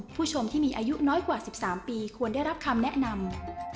ผู้ชมที่มีอายุน้อยกว่า๑๓ปีควรได้รับคำแนะนำ